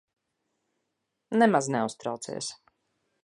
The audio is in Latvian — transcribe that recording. Nemaz neuztraucies.